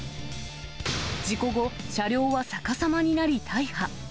事故後、車両は逆さまになり大破。